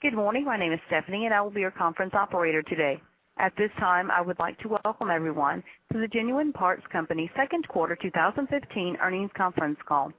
Good morning. My name is Stephanie, and I will be your conference operator today. At this time, I would like to welcome everyone to the Genuine Parts Company second quarter 2015 earnings conference call.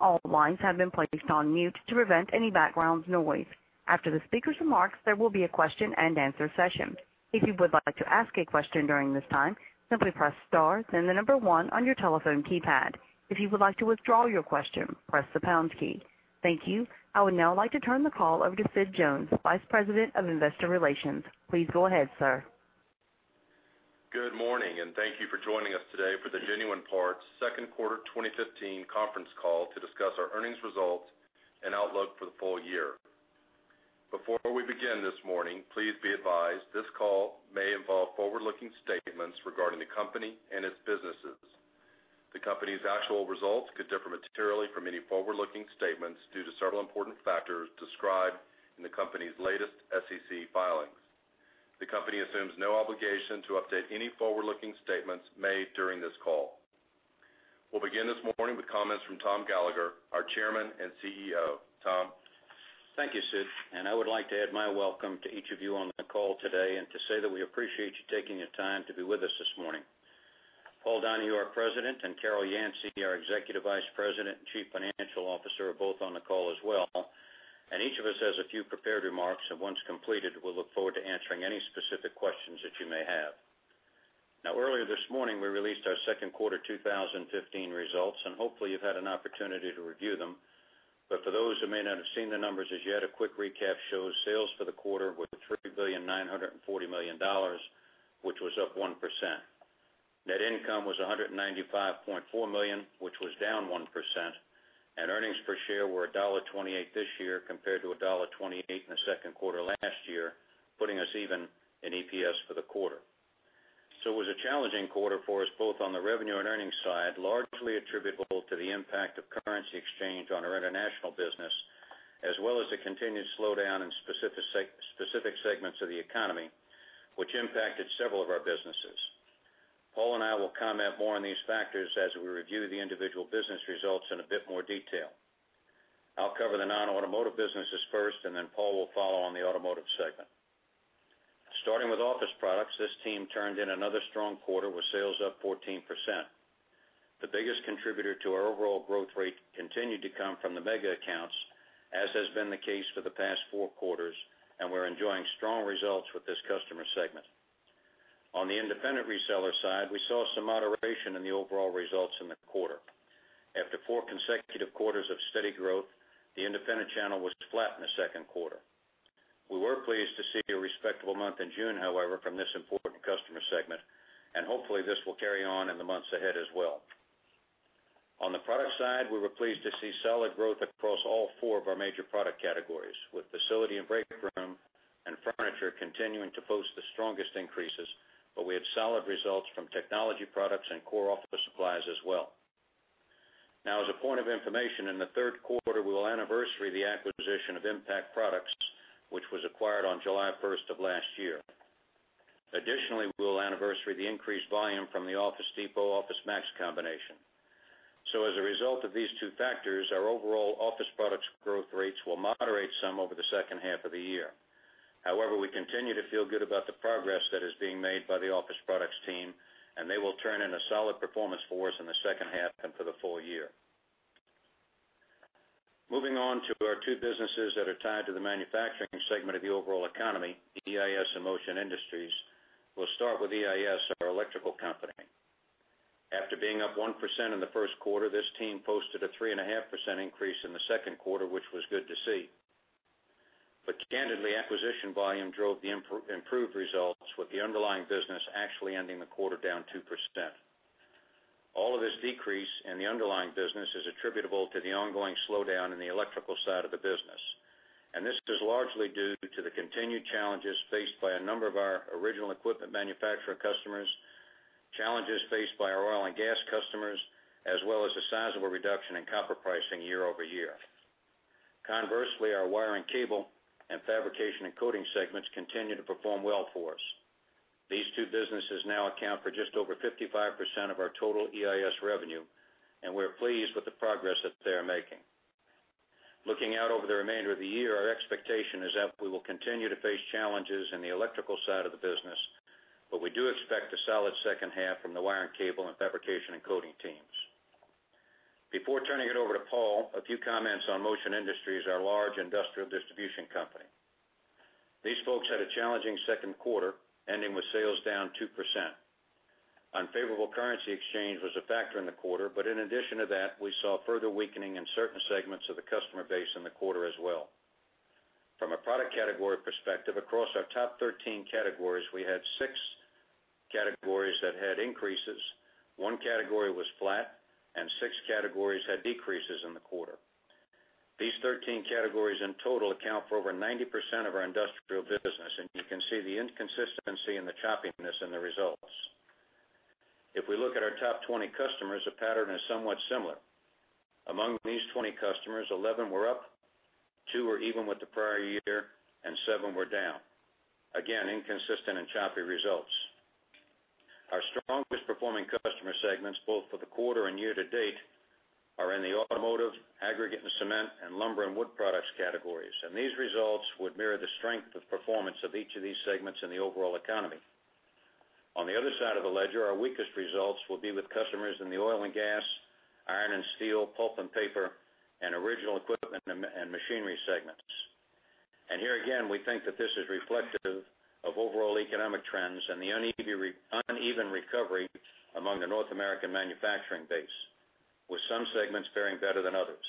All lines have been placed on mute to prevent any background noise. After the speaker's remarks, there will be a question-and-answer session. If you would like to ask a question during this time, simply press star then the number one on your telephone keypad. If you would like to withdraw your question, press the pound key. Thank you. I would now like to turn the call over to Sid Jones, Vice President of Investor Relations. Please go ahead, sir. Good morning. Thank you for joining us today for the Genuine Parts second quarter 2015 conference call to discuss our earnings results and outlook for the full year. Before we begin this morning, please be advised this call may involve forward-looking statements regarding the company and its businesses. The company's actual results could differ materially from any forward-looking statements due to several important factors described in the company's latest SEC filings. The company assumes no obligation to update any forward-looking statements made during this call. We'll begin this morning with comments from Tom Gallagher, our Chairman and CEO. Tom? Thank you, Sid. I would like to add my welcome to each of you on the call today and to say that we appreciate you taking the time to be with us this morning. Paul Donahue, our President, and Carol Yancey, our Executive Vice President and Chief Financial Officer, are both on the call as well. Each of us has a few prepared remarks and once completed, we'll look forward to answering any specific questions that you may have. Earlier this morning, we released our Second Quarter 2015 results, and hopefully, you've had an opportunity to review them. For those who may not have seen the numbers as yet, a quick recap shows sales for the quarter were $3,940,000,000, which was up 1%. Net income was $195.4 million, which was down 1%, and earnings per share were $1.28 this year compared to $1.28 in the second quarter last year, putting us even in EPS for the quarter. It was a challenging quarter for us, both on the revenue and earnings side, largely attributable to the impact of currency exchange on our international business, as well as the continued slowdown in specific segments of the economy, which impacted several of our businesses. Paul and I will comment more on these factors as we review the individual business results in a bit more detail. I'll cover the non-automotive businesses first, and then Paul will follow on the automotive segment. Starting with Office Products, this team turned in another strong quarter with sales up 14%. The biggest contributor to our overall growth rate continued to come from the mega accounts, as has been the case for the past four quarters, and we're enjoying strong results with this customer segment. On the independent reseller side, we saw some moderation in the overall results in the quarter. After four consecutive quarters of steady growth, the independent channel was flat in the second quarter. We were pleased to see a respectable month in June, however, from this important customer segment, and hopefully, this will carry on in the months ahead as well. On the product side, we were pleased to see solid growth across all four of our major product categories, with facility and breakroom and furniture continuing to post the strongest increases, but we had solid results from technology products and core office supplies as well. As a point of information, in the third quarter, we will anniversary the acquisition of Impact Products, which was acquired on July 1st of last year. Additionally, we will anniversary the increased volume from the Office Depot OfficeMax combination. As a result of these two factors, our overall Office Products growth rates will moderate some over the second half of the year. However, we continue to feel good about the progress that is being made by the Office Products team, and they will turn in a solid performance for us in the second half and for the full year. Moving on to our two businesses that are tied to the manufacturing segment of the overall economy, EIS and Motion Industries. We'll start with EIS, our electrical company. After being up 1% in the first quarter, this team posted a 3.5% increase in the second quarter, which was good to see. Candidly, acquisition volume drove the improved results with the underlying business actually ending the quarter down 2%. All of this decrease in the underlying business is attributable to the ongoing slowdown in the Electrical side of the business. This is largely due to the continued challenges faced by a number of our original equipment manufacturer customers, challenges faced by our oil and gas customers, as well as the sizable reduction in copper pricing year-over-year. Conversely, our wire and cable and fabrication and coating segments continue to perform well for us. These two businesses now account for just over 55% of our total EIS revenue, and we're pleased with the progress that they are making. Looking out over the remainder of the year, our expectation is that we will continue to face challenges in the Electrical side of the business, we do expect a solid second half from the wire and cable and fabrication and coating teams. Before turning it over to Paul, a few comments on Motion Industries, our large Industrial distribution company. These folks had a challenging second quarter, ending with sales down 2%. Unfavorable currency exchange was a factor in the quarter, in addition to that, we saw further weakening in certain segments of the customer base in the quarter as well. From a product category perspective, across our top 13 categories, we had six categories that had increases, 1 category was flat, and 6 categories had decreases in the quarter. These 13 categories in total account for over 90% of our Industrial business. You can see the inconsistency and the choppiness in the results. If we look at our top 20 customers, the pattern is somewhat similar. Among these 20 customers, 11 were up, two were even with the prior year, and seven were down. Again, inconsistent and choppy results. Our strongest performing customer segments, both for the quarter and year-to-date, are in the automotive, aggregate and cement, and lumber and wood products categories. These results would mirror the strength of performance of each of these segments in the overall economy. On the other side of the ledger, our weakest results will be with customers in the oil and gas, iron and steel, pulp and paper, and original equipment and machinery segments. Here again, we think that this is reflective of overall economic trends and the uneven recovery among the North American manufacturing base, with some segments faring better than others.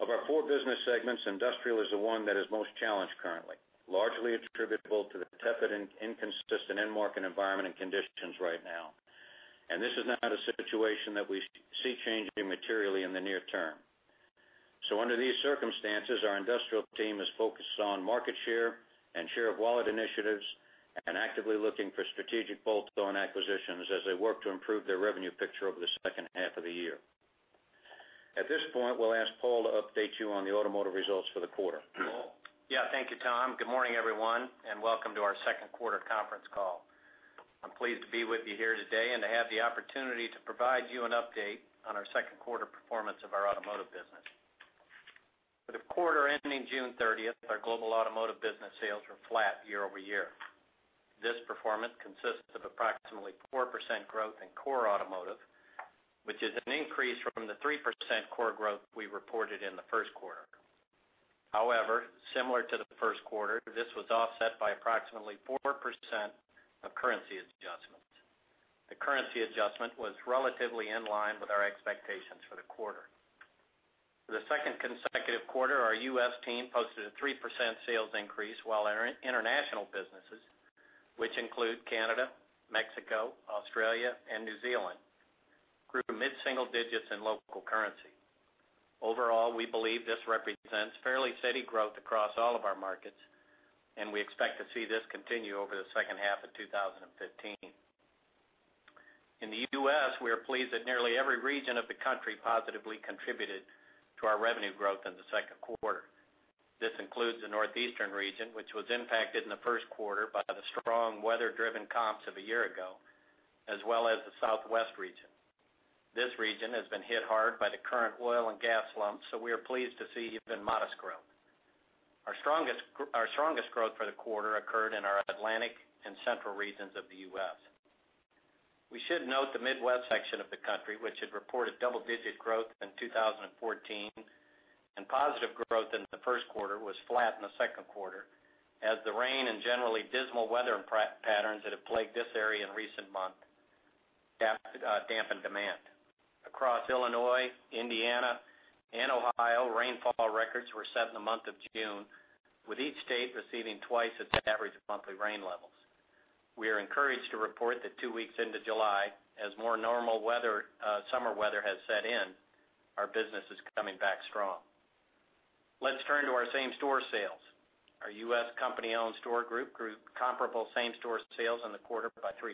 Of our four business segments, Industrial is the one that is most challenged currently, largely attributable to the tepid and inconsistent end-market environment and conditions right now. This is not a situation that we see changing materially in the near term. Under these circumstances, our Industrial team is focused on market share and share of wallet initiatives and actively looking for strategic bolt-on acquisitions as they work to improve their revenue picture over the second half of the year. At this point, we'll ask Paul to update you on the automotive results for the quarter. Paul? Yeah. Thank you, Tom. Good morning, everyone, and welcome to our second quarter conference call. I'm pleased to be with you here today and to have the opportunity to provide you an update on our second quarter performance of our automotive business. For the quarter ending June 30th, our global automotive business sales were flat year-over-year. This performance consists of approximately 4% growth in core automotive, which is an increase from the 3% core growth we reported in the first quarter. However, similar to the first quarter, this was offset by approximately 4% of currency adjustments. The currency adjustment was relatively in line with our expectations for the quarter. For the second consecutive quarter, our U.S. team posted a 3% sales increase while our international businesses, which include Canada, Mexico, Australia, and New Zealand, grew mid-single digits in local currency. Overall, we believe this represents fairly steady growth across all of our markets. We expect to see this continue over the second half of 2015. In the U.S., we are pleased that nearly every region of the country positively contributed to our revenue growth in the second quarter. This includes the northeastern region, which was impacted in the first quarter by the strong weather-driven comps of a year ago, as well as the southwest region. This region has been hit hard by the current oil and gas slump. We are pleased to see even modest growth. Our strongest growth for the quarter occurred in our Atlantic and central regions of the U.S. We should note the Midwest section of the country, which had reported double-digit growth in 2014 and positive growth in the first quarter, was flat in the second quarter as the rain and generally dismal weather patterns that have plagued this area in recent months dampened demand. Across Illinois, Indiana, and Ohio, rainfall records were set in the month of June, with each state receiving twice its average monthly rain levels. We are encouraged to report that two weeks into July, as more normal summer weather has set in, our business is coming back strong. Let's turn to our same-store sales. Our U.S. company-owned store group grew comparable same-store sales in the quarter by 3%,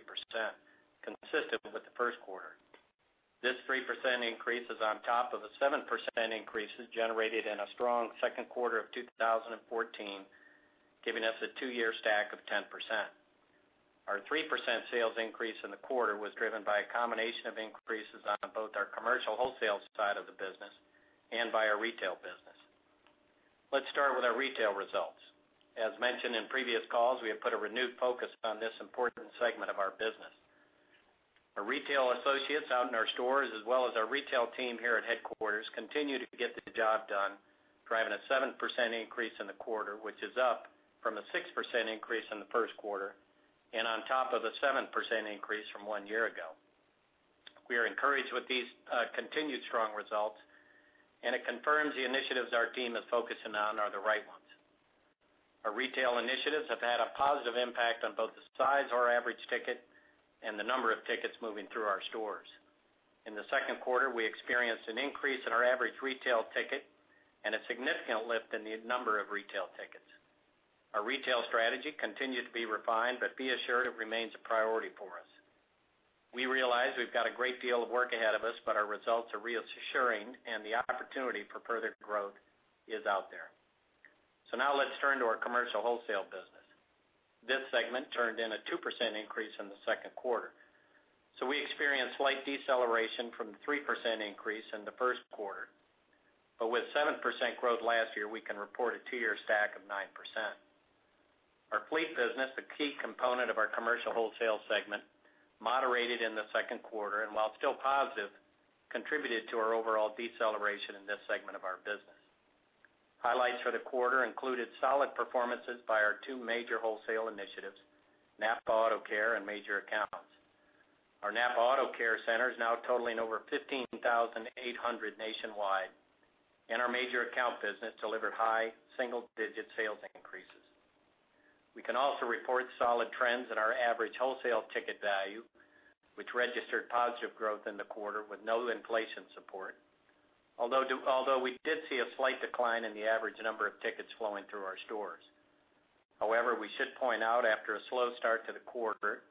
consistent with the first quarter. This 3% increase is on top of a 7% increase generated in a strong second quarter of 2014, giving us a two-year stack of 10%. Our 3% sales increase in the quarter was driven by a combination of increases on both our commercial wholesale side of the business and by our retail business. Let's start with our retail results. As mentioned in previous calls, we have put a renewed focus on this important segment of our business. Our retail associates out in our stores, as well as our retail team here at headquarters, continue to get the job done, driving a 7% increase in the quarter, which is up from a 6% increase in the first quarter and on top of a 7% increase from one year ago. It confirms the initiatives our team is focusing on are the right ones. Our retail initiatives have had a positive impact on both the size of our average ticket and the number of tickets moving through our stores. In the second quarter, we experienced an increase in our average retail ticket and a significant lift in the number of retail tickets. Our retail strategy continues to be refined, but be assured it remains a priority for us. We realize we've got a great deal of work ahead of us, the opportunity for further growth is out there. Now let's turn to our commercial wholesale business. This segment turned in a 2% increase in the second quarter. We experienced slight deceleration from the 3% increase in the first quarter. With 7% growth last year, we can report a two-year stack of 9%. Our fleet business, a key component of our commercial wholesale segment, moderated in the second quarter, while still positive, contributed to our overall deceleration in this segment of our business. Highlights for the quarter included solid performances by our two major wholesale initiatives, NAPA AutoCare and Major Accounts. Our NAPA AutoCare centers now totaling over 15,800 nationwide, our major account business delivered high single-digit sales increases. We can also report solid trends in our average wholesale ticket value, which registered positive growth in the quarter with no inflation support. We did see a slight decline in the average number of tickets flowing through our stores. However, we should point out, after a slow start to the quarter,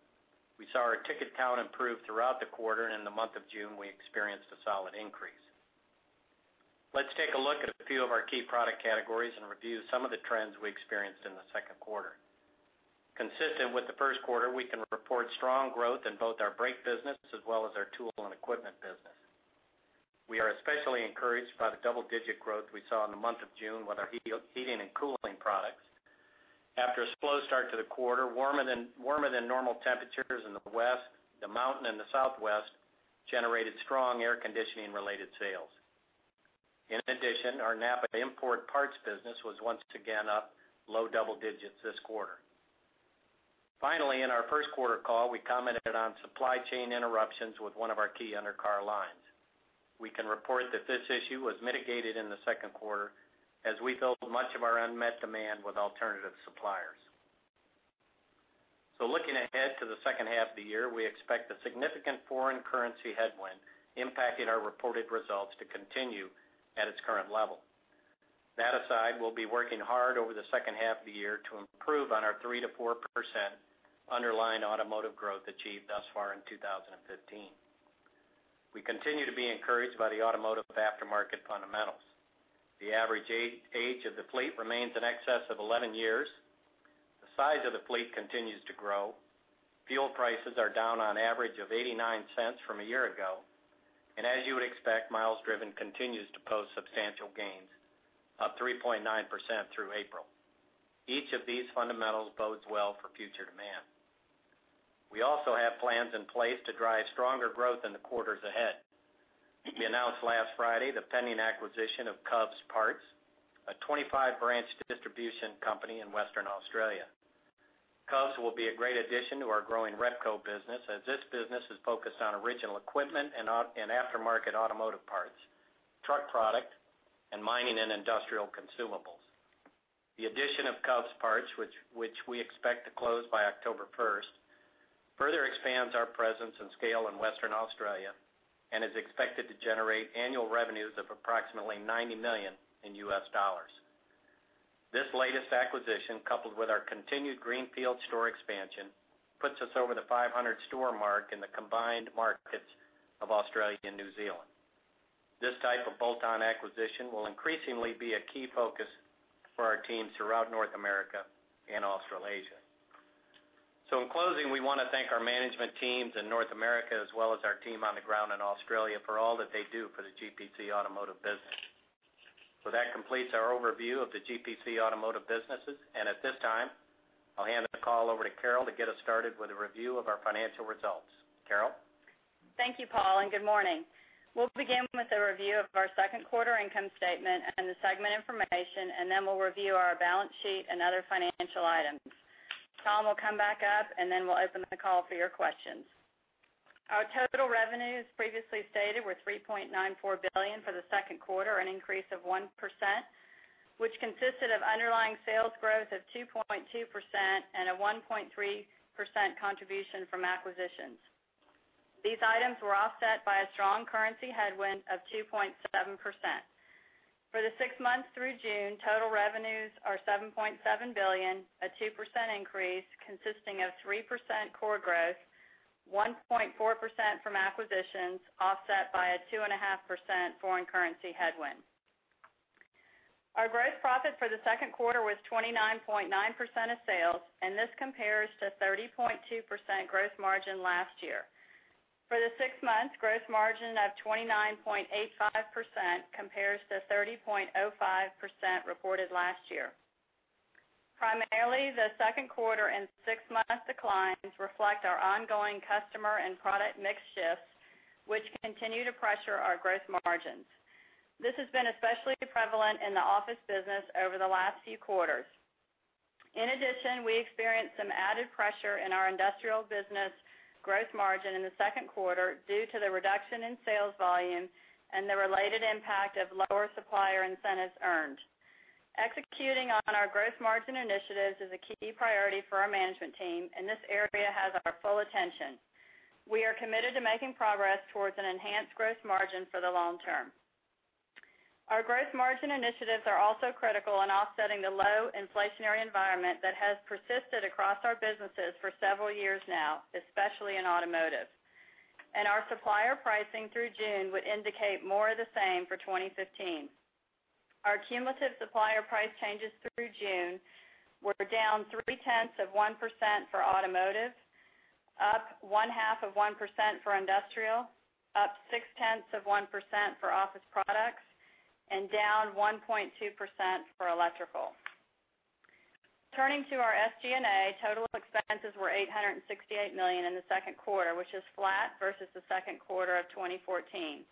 we saw our ticket count improve throughout the quarter, in the month of June, we experienced a solid increase. Let's take a look at a few of our key product categories and review some of the trends we experienced in the second quarter. Consistent with the first quarter, we can report strong growth in both our brake business as well as our tool and equipment business. We are especially encouraged by the double-digit growth we saw in the month of June with our heating and cooling products. After a slow start to the quarter, warmer than normal temperatures in the west, the mountain and the southwest generated strong air conditioning related sales. In addition, our NAPA import parts business was once again up low double digits this quarter. Finally, in our first quarter call, we commented on supply chain interruptions with one of our key undercar lines. We can report that this issue was mitigated in the second quarter as we filled much of our unmet demand with alternative suppliers. Looking ahead to the second half of the year, we expect a significant foreign currency headwind impacting our reported results to continue at its current level. That aside, we'll be working hard over the second half of the year to improve on our 3%-4% underlying automotive growth achieved thus far in 2015. We continue to be encouraged by the automotive aftermarket fundamentals. The average age of the fleet remains in excess of 11 years. The size of the fleet continues to grow. Fuel prices are down on average of $0.89 from a year ago, and as you would expect, miles driven continues to post substantial gains, up 3.9% through April. Each of these fundamentals bodes well for future demand. We also have plans in place to drive stronger growth in the quarters ahead. We announced last Friday the pending acquisition of Covs Parts, a 25-branch distribution company in Western Australia. Covs will be a great addition to our growing Repco business, as this business is focused on original equipment and aftermarket Automotive Parts, truck product, and mining and Industrial consumables. The addition of Covs Parts, which we expect to close by October 1st, further expands our presence and scale in Western Australia and is expected to generate annual revenues of approximately $90 million. This latest acquisition, coupled with our continued greenfield store expansion, puts us over the 500-store mark in the combined markets of Australia and New Zealand. This type of bolt-on acquisition will increasingly be a key focus for our teams throughout North America and Australasia. In closing, we want to thank our management teams in North America, as well as our team on the ground in Australia for all that they do for the GPC Automotive business. That completes our overview of the GPC Automotive businesses. At this time, I'll hand the call over to Carol to get us started with a review of our financial results. Carol? Thank you, Paul, and good morning. We'll begin with a review of our second quarter income statement and the segment information, and then we'll review our balance sheet and other financial items. Tom will come back up, and then we'll open the call for your questions. Our total revenues, previously stated, were $3.94 billion for the second quarter, an increase of 1%, which consisted of underlying sales growth of 2.2% and a 1.3% contribution from acquisitions. These items were offset by a strong currency headwind of 2.7%. For the six months through June, total revenues are $7.7 billion, a 2% increase consisting of 3% core growth, 1.4% from acquisitions, offset by a 2.5% foreign currency headwind. Our gross profit for the second quarter was 29.9% of sales, and this compares to 30.2% gross margin last year. For the six months, gross margin of 29.85% compares to 30.05% reported last year. Primarily, the second quarter and six-month declines reflect our ongoing customer and product mix shifts, which continue to pressure our gross margins. This has been especially prevalent in the office business over the last few quarters. In addition, we experienced some added pressure in our Industrial business gross margin in the second quarter due to the reduction in sales volume and the related impact of lower supplier incentives earned. Executing on our gross margin initiatives is a key priority for our management team, and this area has our full attention. We are committed to making progress towards an enhanced gross margin for the long term. Our gross margin initiatives are also critical in offsetting the low inflationary environment that has persisted across our businesses for several years now, especially in automotive. Our supplier pricing through June would indicate more of the same for 2015. Our cumulative supplier price changes through June were down three-tenths of 1% for automotive, up one-half of 1% for Industrial, up six-tenths of 1% for Office Products, and down 1.2% for Electrical. Turning to our SG&A, total expenses were $868 million in the second quarter, which is flat versus the second quarter of 2014.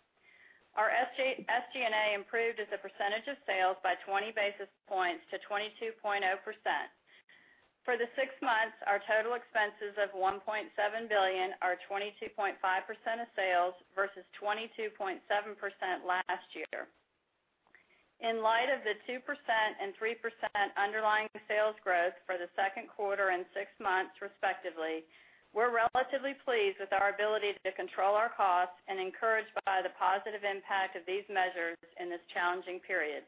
Our SG&A improved as a percentage of sales by 20 basis points to 22.0%. For the six months, our total expenses of $1.7 billion are 22.5% of sales versus 22.7% last year. In light of the 2% and 3% underlying sales growth for the second quarter and six months, respectively, we're relatively pleased with our ability to control our costs and encouraged by the positive impact of these measures in this challenging period.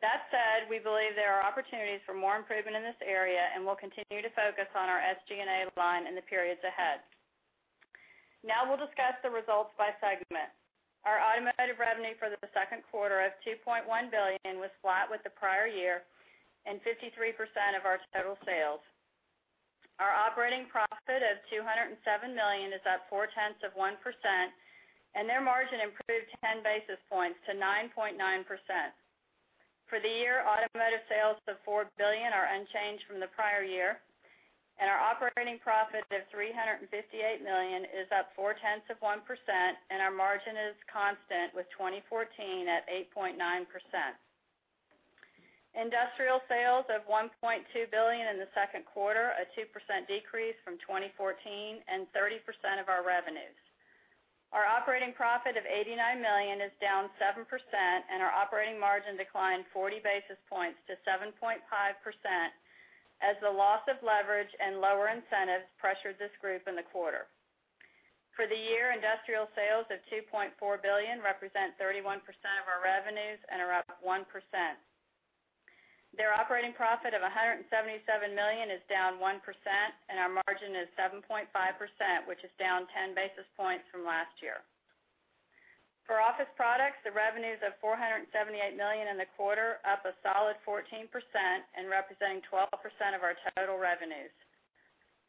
That said, we believe there are opportunities for more improvement in this area, and we'll continue to focus on our SG&A line in the periods ahead. Now we'll discuss the results by segment. Our automotive revenue for the second quarter of $2.1 billion was flat with the prior year and 53% of our total sales. Our operating profit of $207 million is up four-tenths of 1%, and their margin improved 10 basis points to 9.9%. For the year, automotive sales of $4 billion are unchanged from the prior year, and our operating profit of $358 million is up 4/10 of 1%, and our margin is constant with 2014 at 8.9%. Industrial sales of $1.2 billion in the second quarter, a 2% decrease from 2014 and 30% of our revenues. Our operating profit of $89 million is down 7%, and our operating margin declined 40 basis points to 7.5% as the loss of leverage and lower incentives pressured this group in the quarter. For the year, Industrial sales of $2.4 billion represent 31% of our revenues and are up 1%. Their operating profit of $177 million is down 1%, and our margin is 7.5%, which is down 10 basis points from last year. For Office Products, the revenues of $478 million in the quarter up a solid 14% and representing 12% of our total revenues.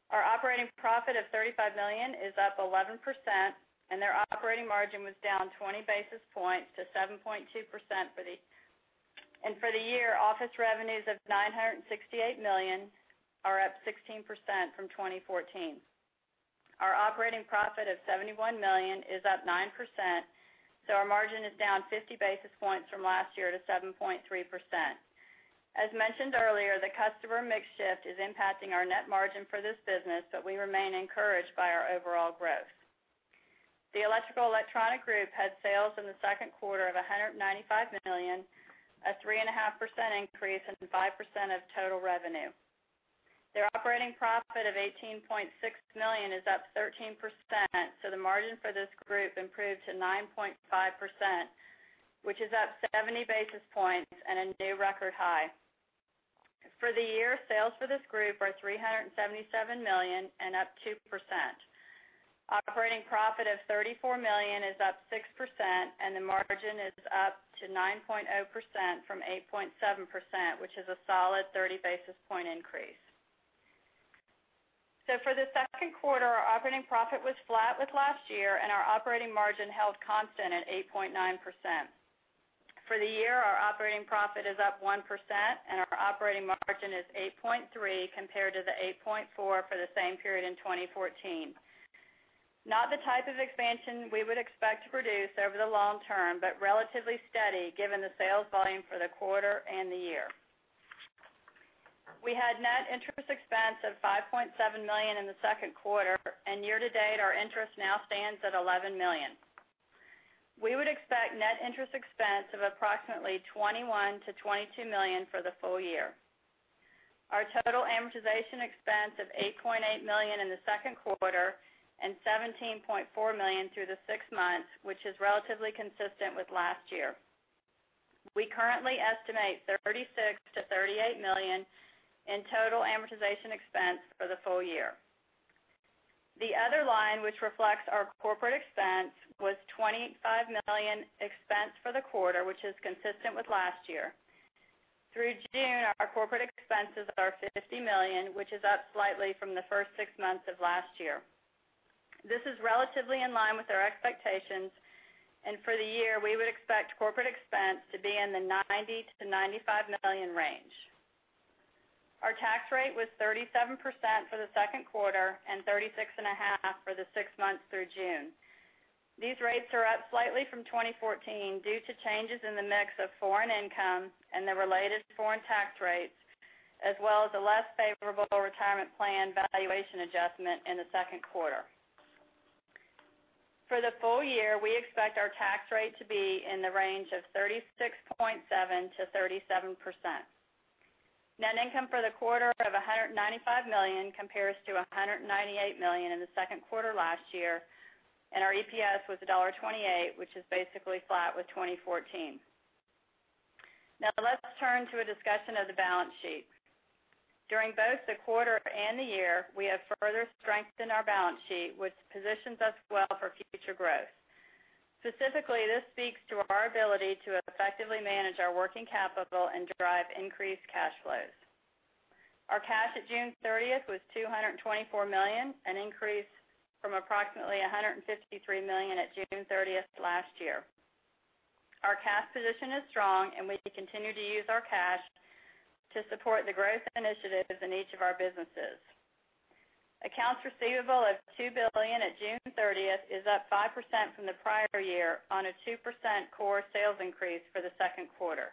Our operating profit of $35 million is up 11%, and their operating margin was down 20 basis points to 7.2%. For the year, office revenues of $968 million are up 16% from 2014. Our operating profit of $71 million is up 9%, our margin is down 50 basis points from last year to 7.3%. As mentioned earlier, the customer mix shift is impacting our net margin for this business, but we remain encouraged by our overall growth. The electrical electronic group had sales in the second quarter of $195 million, a 3.5% increase and 5% of total revenue. Their operating profit of $18.6 million is up 13%, the margin for this group improved to 9.5%, which is up 70 basis points and a new record high. For the year, sales for this group are $377 million and up 2%. Operating profit of $34 million is up 6%, and the margin is up to 9.0% from 8.7%, which is a solid 30 basis point increase. For the second quarter, our operating profit was flat with last year, and our operating margin held constant at 8.9%. For the year, our operating profit is up 1%, and our operating margin is 8.3% compared to the 8.4% for the same period in 2014. Not the type of expansion we would expect to produce over the long term, but relatively steady given the sales volume for the quarter and the year. We had net interest expense of $5.7 million in the second quarter, and year-to-date, our interest now stands at $11 million. We would expect net interest expense of approximately $21 million-$22 million for the full year. Our total amortization expense of $8.8 million in the second quarter and $17.4 million through the six months, which is relatively consistent with last year. We currently estimate $36 million-$38 million in total amortization expense for the full year. The other line, which reflects our corporate expense, was $25 million expense for the quarter, which is consistent with last year. Through June, our corporate expenses are $50 million, which is up slightly from the first six months of last year. This is relatively in line with our expectations, and for the year, we would expect corporate expense to be in the $90 million-$95 million range. Our tax rate was 37% for the second quarter and 36.5% for the six months through June. These rates are up slightly from 2014 due to changes in the mix of foreign income and the related foreign tax rates, as well as a less favorable retirement plan valuation adjustment in the second quarter. For the full year, we expect our tax rate to be in the range of 36.7%-37%. Net income for the quarter of $195 million compares to $198 million in the second quarter last year, and our EPS was $1.28, which is basically flat with 2014. Let's turn to a discussion of the balance sheet. During both the quarter and the year, we have further strengthened our balance sheet, which positions us well for future growth. Specifically, this speaks to our ability to effectively manage our working capital and drive increased cash flows. Our cash at June 30th was $224 million, an increase from approximately $153 million at June 30th last year. Our cash position is strong, and we continue to use our cash to support the growth initiatives in each of our businesses. Accounts receivable of $2 billion at June 30th is up 5% from the prior year on a 2% core sales increase for the second quarter.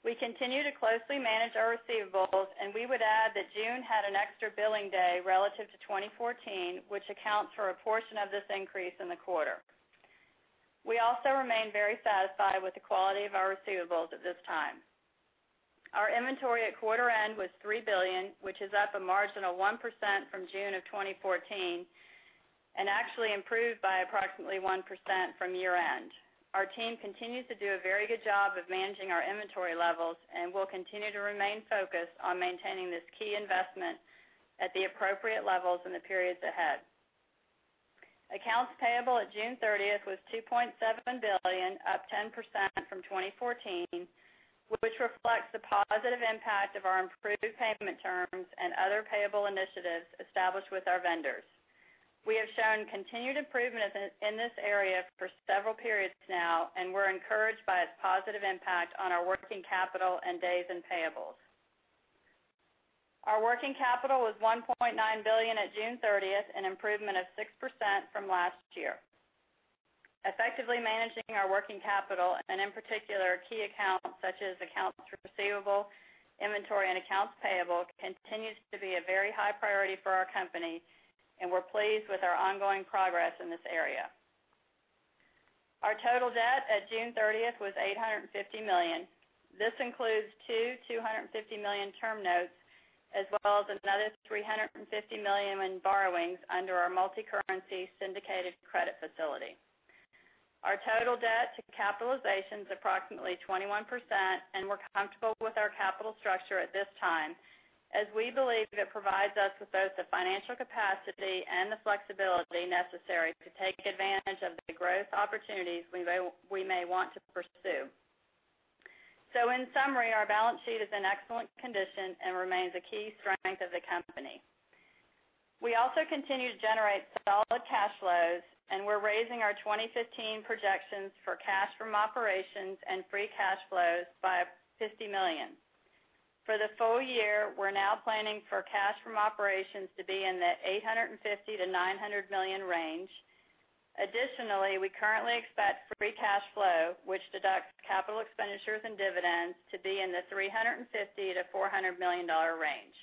We continue to closely manage our receivables, and we would add that June had an extra billing day relative to 2014, which accounts for a portion of this increase in the quarter. We also remain very satisfied with the quality of our receivables at this time. Our inventory at quarter end was $3 billion, which is up a marginal 1% from June of 2014 and actually improved by approximately 1% from year end. Our team continues to do a very good job of managing our inventory levels and will continue to remain focused on maintaining this key investment at the appropriate levels in the periods ahead. Accounts payable at June 30th was $2.7 billion, up 10% from 2014, which reflects the positive impact of our improved payment terms and other payable initiatives established with our vendors. We have shown continued improvement in this area for several periods now, and we're encouraged by its positive impact on our working capital and days in payables. Our working capital was $1.9 billion at June 30th, an improvement of 6% from last year. Effectively managing our working capital and in particular, key accounts such as accounts receivable, inventory, and accounts payable, continues to be a very high priority for our company, and we're pleased with our ongoing progress in this area. Our total debt at June 30th was $850 million. This includes two $250 million term notes, as well as another $350 million in borrowings under our multi-currency syndicated credit facility. Our total debt to capitalization is approximately 21%, and we're comfortable with our capital structure at this time, as we believe it provides us with both the financial capacity and the flexibility necessary to take advantage of the growth opportunities we may want to pursue. In summary, our balance sheet is in excellent condition and remains a key strength of the company. We also continue to generate solid cash flows, and we're raising our 2015 projections for cash from operations and free cash flows by $50 million. For the full year, we're now planning for cash from operations to be in that $850 million-$900 million range. Additionally, we currently expect free cash flow, which deducts capital expenditures and dividends, to be in the $350 million-$400 million range.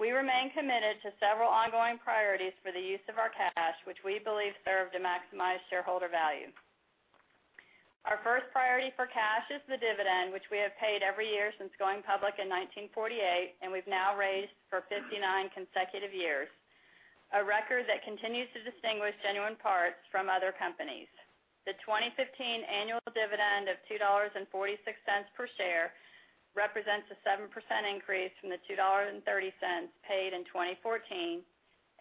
We remain committed to several ongoing priorities for the use of our cash, which we believe serve to maximize shareholder value. Our first priority for cash is the dividend, which we have paid every year since going public in 1948, and we've now raised for 59 consecutive years, a record that continues to distinguish Genuine Parts from other companies. The 2015 annual dividend of $2.46 per share represents a 7% increase from the $2.30 paid in 2014,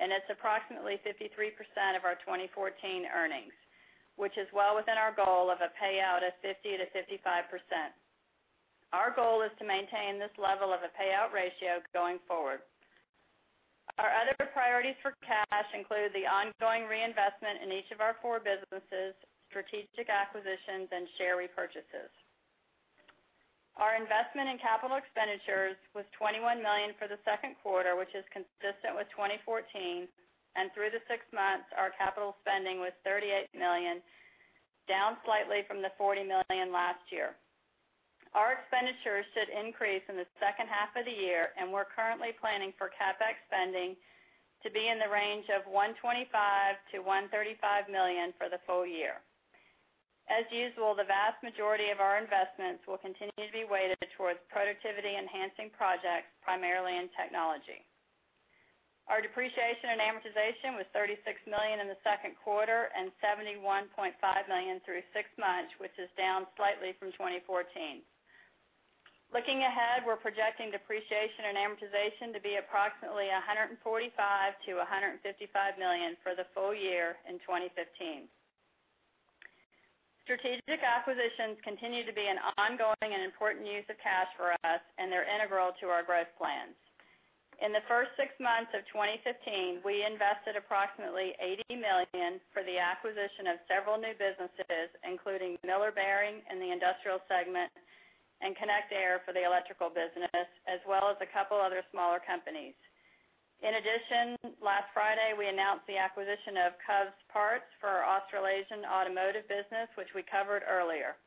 and it's approximately 53% of our 2014 earnings, which is well within our goal of a payout of 50%-55%. Our goal is to maintain this level of a payout ratio going forward. Our other priorities for cash include the ongoing reinvestment in each of our four businesses, strategic acquisitions, and share repurchases. Our investment in capital expenditures was $21 million for the second quarter, which is consistent with 2014. Through the six months, our capital spending was $38 million, down slightly from the $40 million last year. Our expenditures should increase in the second half of the year, and we're currently planning for CapEx spending to be in the range of $125 million-$135 million for the full year. As usual, the vast majority of our investments will continue to be weighted towards productivity-enhancing projects, primarily in technology. Our depreciation and amortization was $36 million in the second quarter and $71.5 million through six months, which is down slightly from 2014. Looking ahead, we're projecting depreciation and amortization to be approximately $145 million-$155 million for the full year in 2015. Strategic acquisitions continue to be an ongoing and important use of cash for us, and they're integral to our growth plans. In the first six months of 2015, we invested approximately $80 million for the acquisition of several new businesses, including Miller Bearings, Inc. in the Industrial segment and Connect-Air for the Electrical business, as well as a couple other smaller companies. In addition, last Friday, we announced the acquisition of Covs Parts for our Australasian automotive business, which we covered earlier.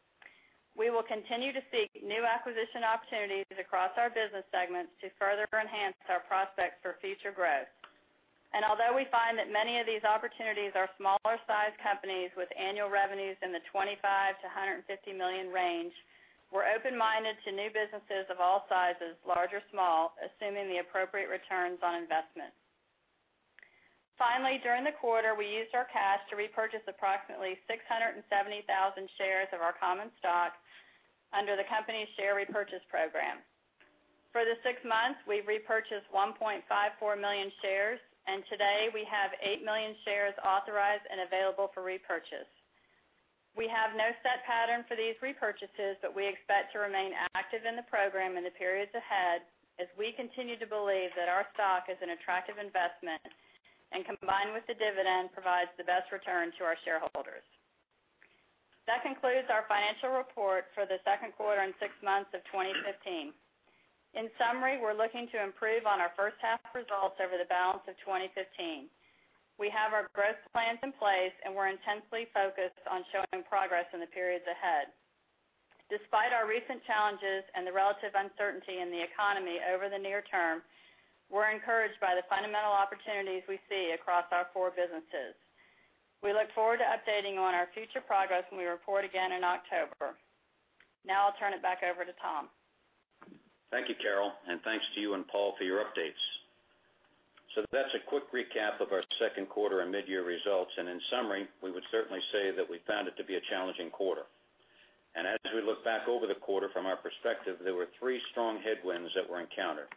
We will continue to seek new acquisition opportunities across our business segments to further enhance our prospects for future growth. Although we find that many of these opportunities are smaller-sized companies with annual revenues in the $25 million-$150 million range, we're open-minded to new businesses of all sizes, large or small, assuming the appropriate returns on investment. Finally, during the quarter, we used our cash to repurchase approximately 670,000 shares of our common stock under the company's share repurchase program. For the six months, we've repurchased 1.54 million shares, and today we have 8 million shares authorized and available for repurchase. We have no set pattern for these repurchases, but we expect to remain active in the program in the periods ahead as we continue to believe that our stock is an attractive investment and, combined with the dividend, provides the best return to our shareholders. That concludes our financial report for the second quarter and six months of 2015. In summary, we're looking to improve on our first half results over the balance of 2015. We have our growth plans in place, and we're intensely focused on showing progress in the periods ahead. Despite our recent challenges and the relative uncertainty in the economy over the near term, we're encouraged by the fundamental opportunities we see across our four businesses. We look forward to updating you on our future progress when we report again in October. I'll turn it back over to Tom. Thank you, Carol, and thanks to you and Paul for your updates. That's a quick recap of our second quarter and mid-year results. In summary, we would certainly say that we found it to be a challenging quarter. As we look back over the quarter, from our perspective, there were three strong headwinds that were encountered.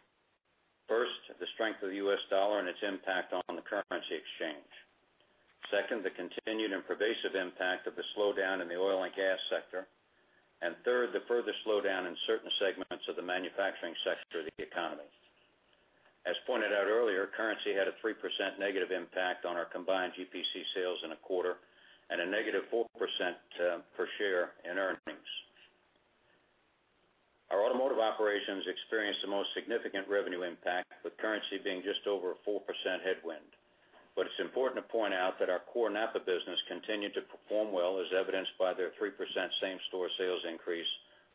First, the strength of the U.S. dollar and its impact on the currency exchange. Second, the continued and pervasive impact of the slowdown in the oil and gas sector. Third, the further slowdown in certain segments of the manufacturing sector of the economy. As pointed out earlier, currency had a 3% negative impact on our combined GPC sales in a quarter, and a negative 4% per share in earnings. Our automotive operations experienced the most significant revenue impact, with currency being just over a 4% headwind. It's important to point out that our core NAPA business continued to perform well, as evidenced by their 3% same-store sales increase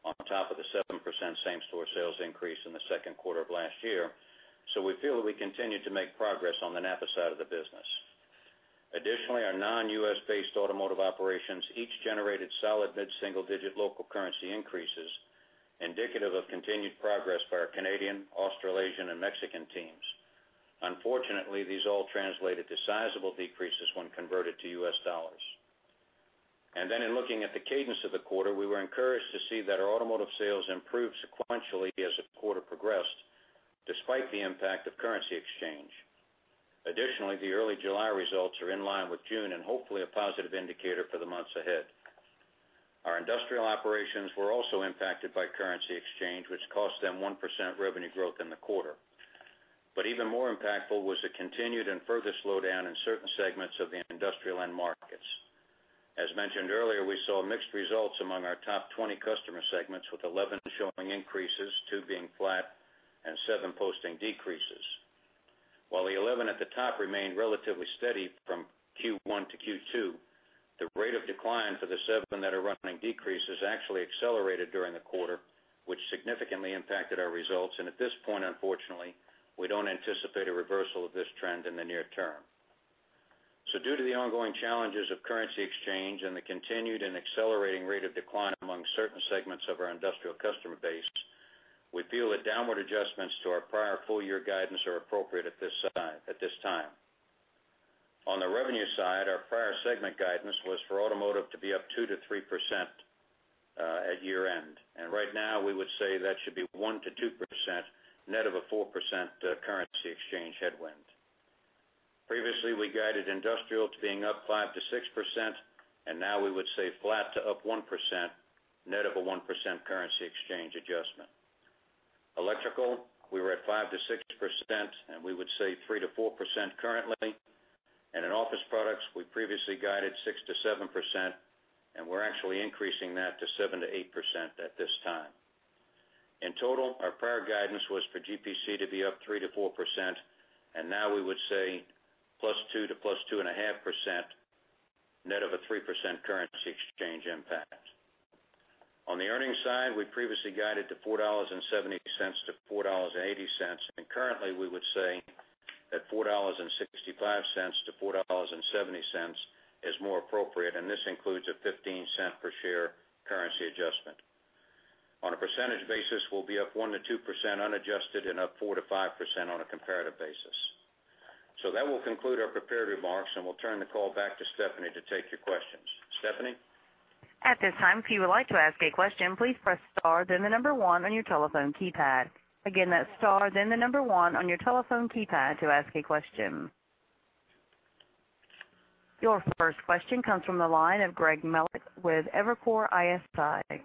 on top of the 7% same-store sales increase in the second quarter of last year. We feel that we continue to make progress on the NAPA side of the business. Additionally, our non-U.S.-based automotive operations each generated solid mid-single-digit local currency increases, indicative of continued progress by our Canadian, Australasian, and Mexican teams. Unfortunately, these all translated to sizable decreases when converted to U.S. dollars. In looking at the cadence of the quarter, we were encouraged to see that our automotive sales improved sequentially as the quarter progressed, despite the impact of currency exchange. Additionally, the early July results are in line with June and hopefully a positive indicator for the months ahead. Our Industrial operations were also impacted by currency exchange, which cost them 1% revenue growth in the quarter. Even more impactful was the continued and further slowdown in certain segments of the Industrial end markets. As mentioned earlier, we saw mixed results among our top 20 customer segments, with 11 showing increases, two being flat, and seven posting decreases. While the 11 at the top remained relatively steady from Q1 to Q2, the rate of decline for the seven that are running decreases actually accelerated during the quarter, which significantly impacted our results, and at this point, unfortunately, we don't anticipate a reversal of this trend in the near term. Due to the ongoing challenges of currency exchange and the continued and accelerating rate of decline among certain segments of our Industrial customer base, we feel that downward adjustments to our prior full year guidance are appropriate at this time. On the revenue side, our prior segment guidance was for automotive to be up 2%-3% at year-end. Right now, we would say that should be 1%-2% net of a 4% currency exchange headwind. Previously, we guided Industrial to being up 5%-6%, now we would say flat to up 1% net of a 1% currency exchange adjustment. Electrical, we were at 5%-6%, and we would say 3%-4% currently. In Office Products, we previously guided 6%-7%, and we're actually increasing that to 7%-8% at this time. In total, our prior guidance was for GPC to be up 3%-4%. Now we would say +2% to +2.5% net of a 3% currency exchange impact. On the earnings side, we previously guided to $4.70-$4.80. Currently we would say that $4.65-$4.70 is more appropriate, and this includes a $0.15 per share currency adjustment. On a percentage basis, we'll be up 1%-2% unadjusted and up 4%-5% on a comparative basis. That will conclude our prepared remarks, and we'll turn the call back to Stephanie to take your questions. Stephanie? At this time, if you would like to ask a question, please press star then the number one on your telephone keypad. Again, that's star then the number one on your telephone keypad to ask a question. Your first question comes from the line of Greg Melich with Evercore ISI.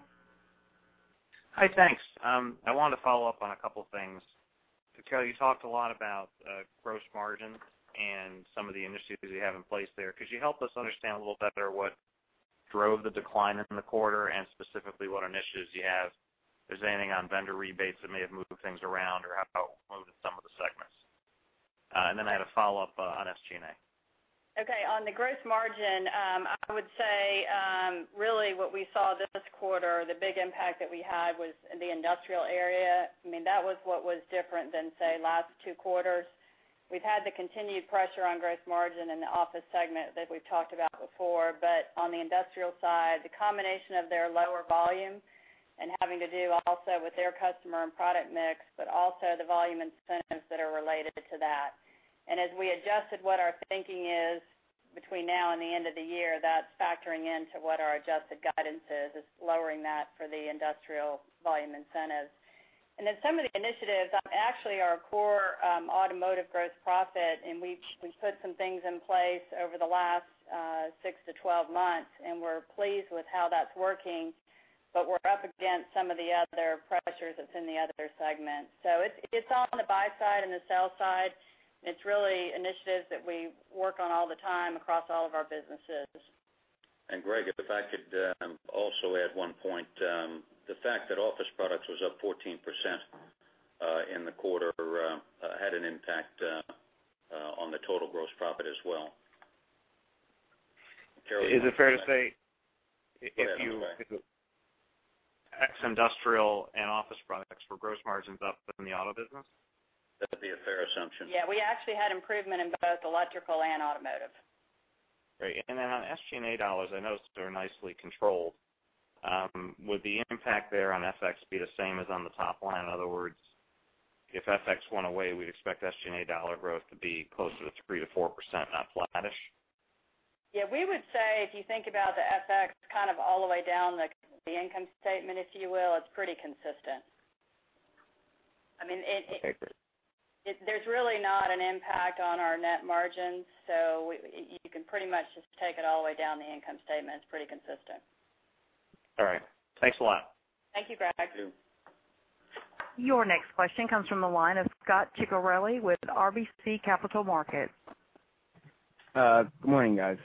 Hi, thanks. I wanted to follow up on a couple of things. Carol, you talked a lot about gross margin and some of the initiatives you have in place there. Could you help us understand a little better what drove the decline in the quarter and specifically what initiatives you have? Is there anything on vendor rebates that may have moved things around or how it moved in some of the segments? Then I had a follow-up on SG&A. Okay, on the gross margin, I would say, really what we saw this quarter, the big impact that we had was in the Industrial area. That was what was different than, say, last two quarters. We've had the continued pressure on gross margin in the office segment that we've talked about before, but on the Industrial side, the combination of their lower volume and having to do also with their customer and product mix, but also the volume incentives that are related to that. As we adjusted what our thinking is between now and the end of the year, that's factoring into what our adjusted guidance is lowering that for the Industrial volume incentives. Some of the initiatives, actually our core automotive gross profit, and we've put some things in place over the last 6-12 months, and we're pleased with how that's working, but we're up against some of the other pressures that's in the other segments. It's on the buy side and the sell side. It's really initiatives that we work on all the time across all of our businesses. Greg, if I could also add one point. The fact that Office Products was up 14% in the quarter had an impact on the total gross profit as well. Is it fair to say if you- Go ahead, I'm sorry. ex Industrial and Office Products, were gross margins up in the auto business? That would be a fair assumption. Yeah. We actually had improvement in both electrical and automotive. Great. On SG&A dollars, I noticed they were nicely controlled. Would the impact there on FX be the same as on the top line? In other words, if FX went away, we'd expect SG&A dollar growth to be closer to 3%-4%, not flattish? Yeah, we would say if you think about the FX kind of all the way down the income statement, if you will, it's pretty consistent. Okay, great. There's really not an impact on our net margins. You can pretty much just take it all the way down the income statement. It's pretty consistent. All right. Thanks a lot. Thank you, Greg. Thank you. Your next question comes from the line of Scot Ciccarelli with RBC Capital Markets. Good morning, guys.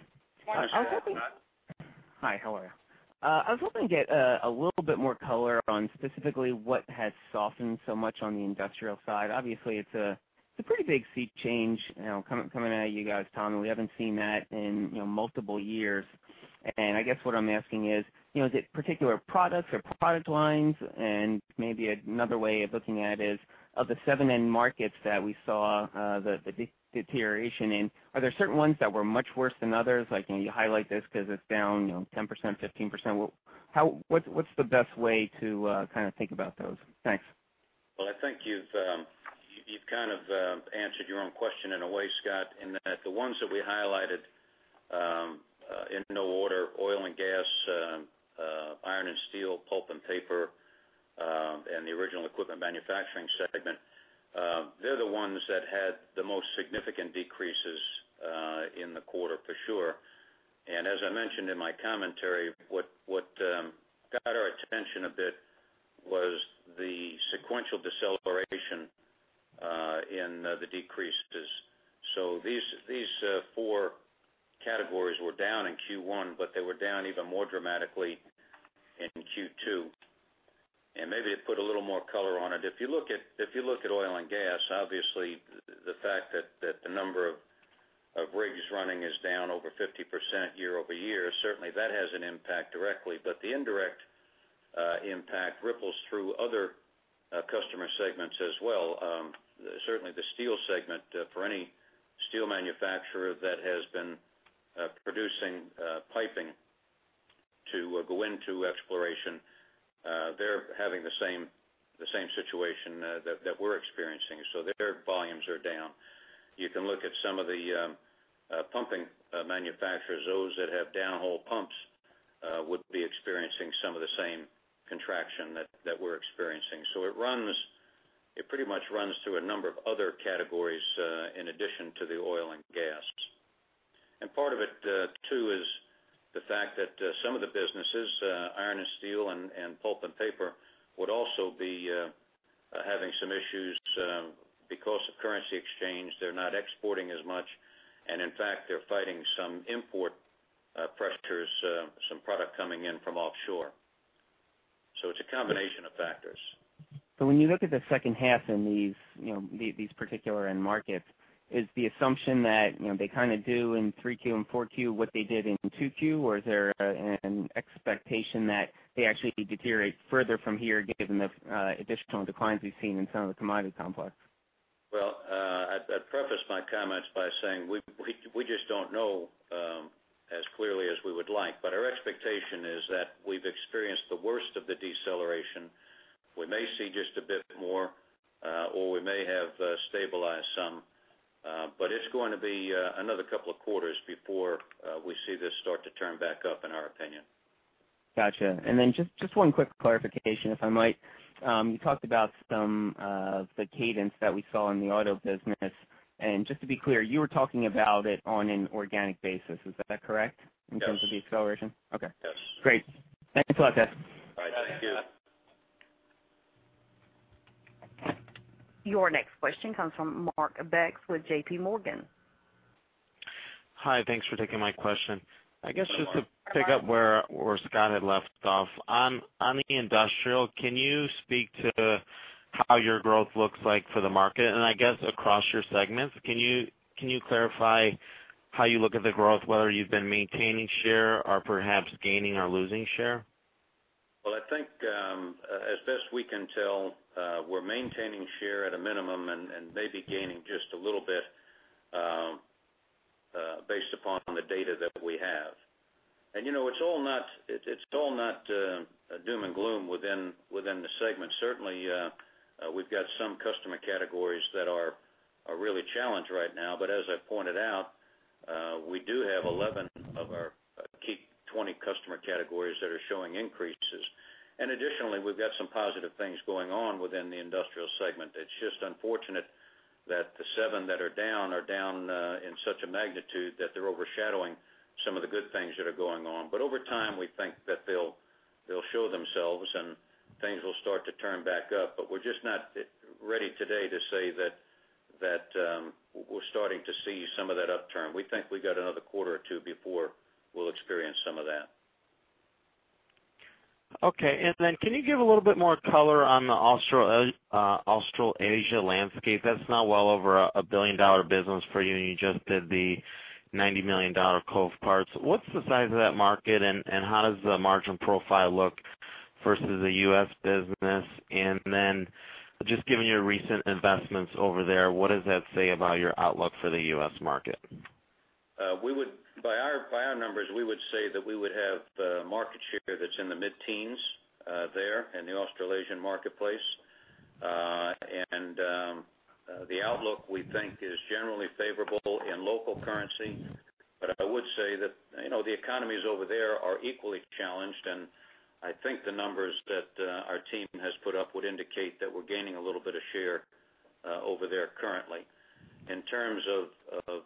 Good morning. Go ahead, Scot. Hi, how are you? I was hoping to get a little bit more color on specifically what has softened so much on the Industrial side. Obviously, it's a pretty big seat change coming out of you guys, Tom. We haven't seen that in multiple years. I guess what I'm asking is it particular products or product lines? Maybe another way of looking at it is, of the seven end markets that we saw the deterioration in, are there certain ones that were much worse than others? Like, can you highlight this because it's down 10%, 15%? What's the best way to kind of think about those? Thanks. I think you've kind of answered your own question in a way, Scot, in that the ones that we highlighted, in no order, oil and gas, iron and steel, pulp and paper, and the original equipment manufacturing segment. They're the ones that had the most significant decreases in the quarter for sure. As I mentioned in my commentary, what got our attention a bit was the sequential deceleration in the decreases. These four categories were down in Q1, but they were down even more dramatically in Q2. Maybe to put a little more color on it. If you look at oil and gas, obviously, the fact that the number of rigs running is down over 50% year-over-year, certainly that has an impact directly, but the indirect impact ripples through other customer segments as well. Certainly, the steel segment for any steel manufacturer that has been producing piping to go into exploration, they're having the same situation that we're experiencing. Their volumes are down. You can look at some of the pumping manufacturers, those that have downhole pumps would be experiencing some of the same contraction that we're experiencing. It pretty much runs through a number of other categories in addition to the oil and gas. Part of it too is the fact that some of the businesses, iron and steel and pulp and paper, would also be having some issues because of currency exchange. They're not exporting as much, and in fact, they're fighting some import pressures, some product coming in from offshore. It's a combination of factors. When you look at the second half in these particular end markets, is the assumption that they kind of do in 3Q and 4Q what they did in 2Q? Or is there an expectation that they actually deteriorate further from here, given the additional declines we've seen in some of the commodity complex? I'd preface my comments by saying, we just don't know as clearly as we would like. Our expectation is that we've experienced the worst of the deceleration. We may see just a bit more, or we may have stabilized some. It's going to be another couple of quarters before we see this start to turn back up, in our opinion. Got you. Then just one quick clarification, if I might. You talked about some of the cadence that we saw in the auto business. Just to be clear, you were talking about it on an organic basis. Is that correct? Yes. In terms of the acceleration? Okay. Yes. Great. Thanks a lot, guys. All right. Thank you. Your next question comes from Mark Becks with JPMorgan. Hi. Thanks for taking my question. Sure. I guess just to pick up where Scot had left off. On the Industrial, can you speak to how your growth looks like for the market? I guess across your segments, can you clarify how you look at the growth, whether you've been maintaining share or perhaps gaining or losing share? I think, as best we can tell, we're maintaining share at a minimum and maybe gaining just a little bit based upon the data that we have. It's all not doom and gloom within the segment. Certainly, we've got some customer categories that are really challenged right now. But as I pointed out, we do have 11 of our key 20 customer categories that are showing increases. Additionally, we've got some positive things going on within the Industrial segment. It's just unfortunate that the seven that are down are down in such a magnitude that they're overshadowing some of the good things that are going on. Over time, we think that they'll show themselves, and things will start to turn back up. We're just not ready today to say that we're starting to see some of that upturn. We think we've got another quarter or two before we'll experience some of that. Okay. Can you give a little bit more color on the Australasia landscape? That's now well over a billion-dollar business for you, and you just did the $90 million Covs Parts. What's the size of that market, and how does the margin profile look versus the U.S. business? Just given your recent investments over there, what does that say about your outlook for the U.S. market? By our numbers, we would say that we would have market share that's in the mid-teens there in the Australasian marketplace. The outlook, we think, is generally favorable in local currency. I would say that the economies over there are equally challenged, and I think the numbers that our team has put up would indicate that we're gaining a little bit of share over there currently. In terms of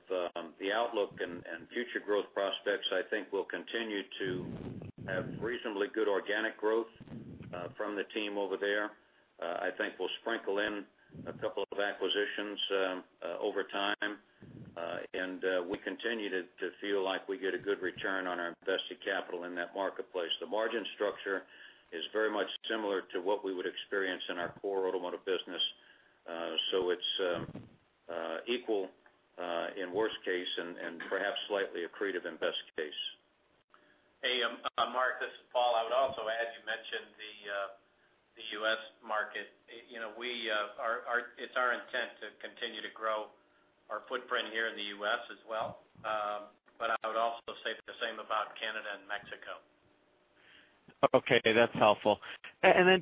the outlook and future growth prospects, I think we'll continue to have reasonably good organic growth from the team over there. I think we'll sprinkle in a couple of acquisitions over time, and we continue to feel like we get a good return on our invested capital in that marketplace. The margin structure is very much similar to what we would experience in our core automotive business. It's equal in worst case and perhaps slightly accretive in best case. Hey, Mark, this is Paul. I would also add, you mentioned the U.S. market. It's our intent to continue to grow our footprint here in the U.S. as well. I would also say the same about Canada and Mexico. Okay, that's helpful.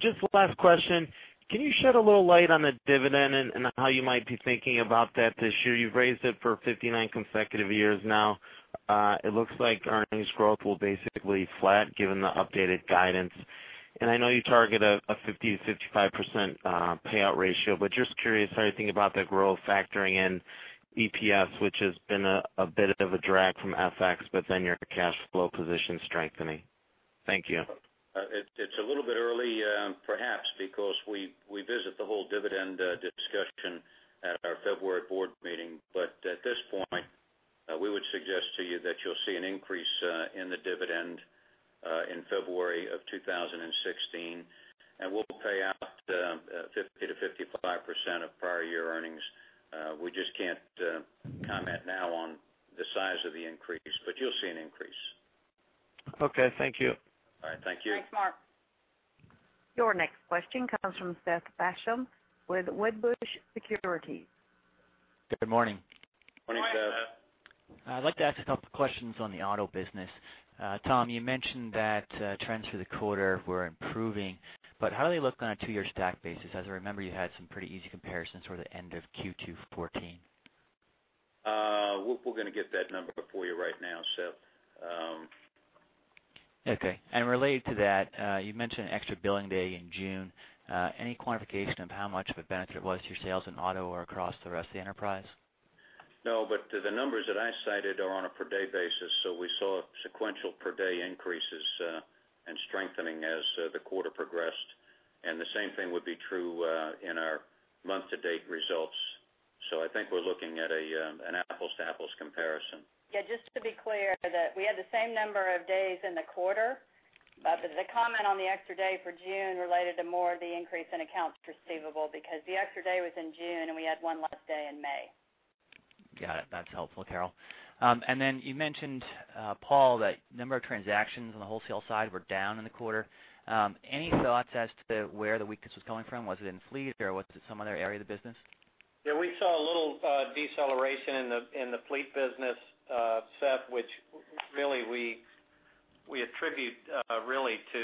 Just last question, can you shed a little light on the dividend and how you might be thinking about that this year? You've raised it for 59 consecutive years now. It looks like earnings growth will basically flat given the updated guidance. I know you target a 50%-55% payout ratio, just curious how you think about the growth factoring in EPS, which has been a bit of a drag from FX, then your cash flow position strengthening. Thank you. It's a little bit early, perhaps because we visit the whole dividend discussion at our February board meeting. At this point, we would suggest to you that you'll see an increase in the dividend in February of 2016, we'll pay out 50%-55% of prior year earnings. We just can't comment now on the size of the increase, you'll see an increase. Okay, thank you. All right. Thank you. Thanks, Mark. Your next question comes from Seth Basham with Wedbush Securities. Good morning. Morning, Seth. Morning. I'd like to ask a couple questions on the auto business. Tom, you mentioned that trends for the quarter were improving, how do they look on a two-year stack basis? As I remember, you had some pretty easy comparisons toward the end of Q2 2014. We're going to get that number for you right now, Seth. Okay. Related to that, you mentioned an extra billing day in June. Any quantification of how much of a benefit it was to your sales in auto or across the rest of the enterprise? The numbers that I cited are on a per-day basis. We saw sequential per-day increases and strengthening as the quarter progressed. The same thing would be true in our month-to-date results. I think we're looking at an apples to apples comparison. Just to be clear that we had the same number of days in the quarter. The comment on the extra day for June related to more of the increase in accounts receivable, because the extra day was in June, and we had one less day in May. Got it. That's helpful, Carol. You mentioned, Paul, that number of transactions on the wholesale side were down in the quarter. Any thoughts as to where the weakness was coming from? Was it in fleet, or was it some other area of the business? We saw a little deceleration in the fleet business, Seth, which we attribute to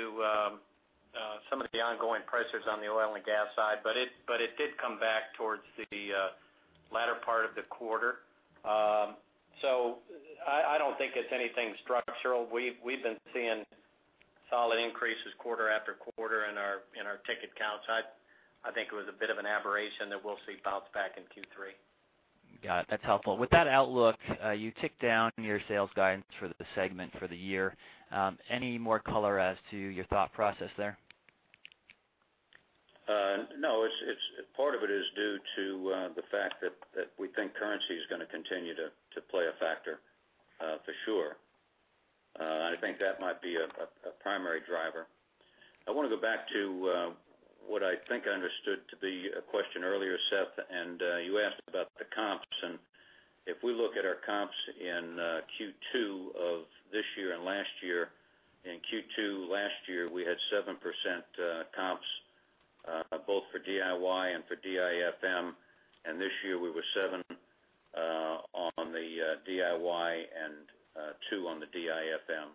some of the ongoing pressures on the oil and gas side. It did come back towards the latter part of the quarter. I don't think it's anything structural. We've been seeing solid increases quarter after quarter in our ticket counts. I think it was a bit of an aberration that we'll see bounce back in Q3. Got it. That's helpful. With that outlook, you ticked down your sales guidance for the segment for the year. Any more color as to your thought process there? No. Part of it is due to the fact that we think currency is going to continue to play a factor for sure. I think that might be a primary driver. I want to go back to what I think I understood to be a question earlier, Seth. You asked about the comps. If we look at our comps in Q2 of this year and last year, in Q2 last year, we had 7% comps both for DIY and for DIFM. This year, we were seven on the DIY and two on the DIFM.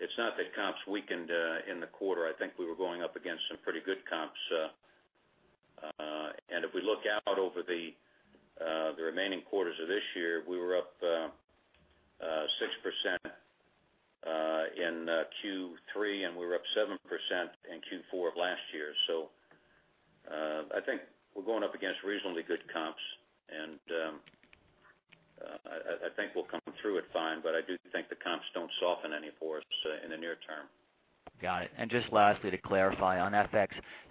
It's not that comps weakened in the quarter. I think we were going up against some pretty good comps. If we look out over the remaining quarters of this year, we were up 6% in Q3, and we were up 7% in Q4 of last year. I think we're going up against reasonably good comps, and I think we'll come through it fine, but I do think the comps don't soften any for us in the near term. Got it. Just lastly, to clarify on FX,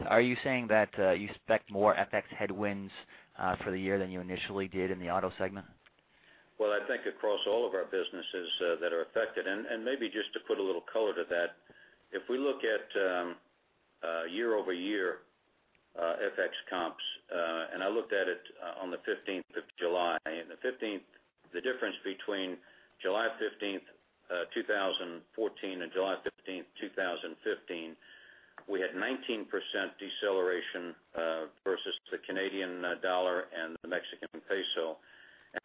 are you saying that you expect more FX headwinds for the year than you initially did in the auto segment? Well, I think across all of our businesses that are affected, and maybe just to put a little color to that, if we look at year-over-year FX comps, I looked at it on the 15th of July. The difference between July 15th, 2014, and July 15th, 2015, we had 19% deceleration versus the Canadian dollar and the Mexican peso.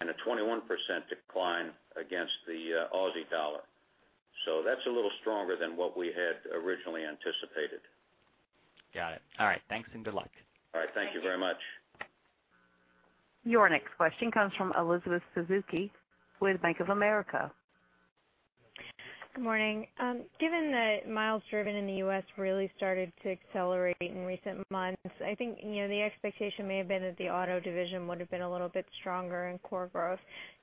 A 21% decline against the Aussie dollar. That's a little stronger than what we had originally anticipated. Got it. All right, thanks and good luck. All right. Thank you very much. Your next question comes from Elizabeth Suzuki with Bank of America. Good morning. Given that miles driven in the U.S. really started to accelerate in recent months, I think, the expectation may have been that the auto division would have been a little bit stronger in core growth.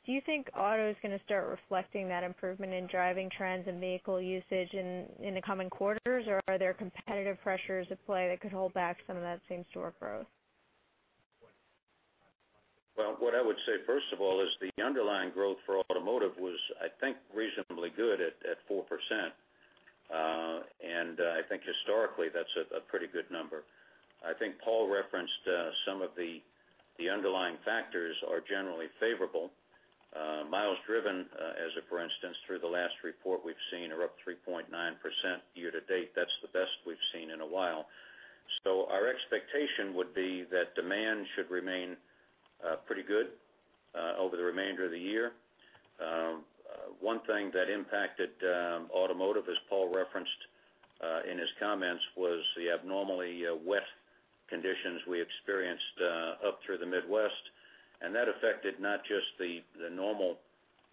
Do you think auto is going to start reflecting that improvement in driving trends and vehicle usage in the coming quarters? Are there competitive pressures at play that could hold back some of that same store growth? Well, what I would say, first of all, is the underlying growth for automotive was, I think, reasonably good at 4%. I think historically, that's a pretty good number. I think Paul referenced some of the underlying factors are generally favorable. Miles driven, as a for instance, through the last report we've seen, are up 3.9% year to date. That's the best we've seen in a while. Our expectation would be that demand should remain pretty good over the remainder of the year. One thing that impacted automotive, as Paul referenced in his comments, was the abnormally wet conditions we experienced up through the Midwest, and that affected not just the normal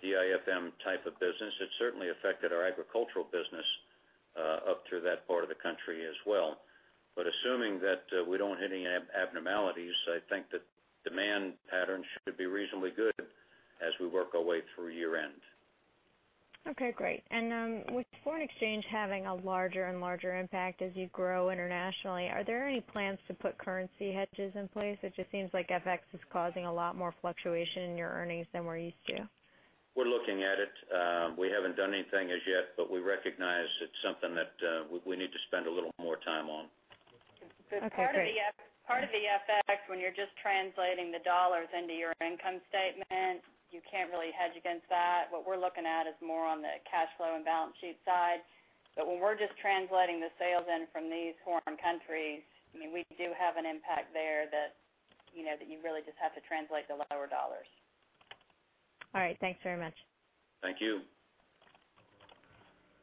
DIFM type of business. It certainly affected our agricultural business up through that part of the country as well. Assuming that we don't hit any abnormalities, I think that demand patterns should be reasonably good as we work our way through year-end. Okay, great. With foreign exchange having a larger and larger impact as you grow internationally, are there any plans to put currency hedges in place? It just seems like FX is causing a lot more fluctuation in your earnings than we're used to. We're looking at it. We haven't done anything as yet, but we recognize it's something that we need to spend a little more time on. Okay, great. Part of the FX, when you're just translating the dollars into your income statement, you can't really hedge against that. What we're looking at is more on the cash flow and balance sheet side. When we're just translating the sales in from these foreign countries, we do have an impact there that you really just have to translate the lower dollars. All right. Thanks very much. Thank you.